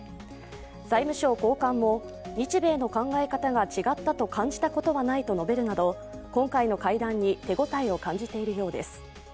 財務省高官も日米の考え方が違ったと感じたことはないと述べるなど、今回の会談に手応えを感じているようです。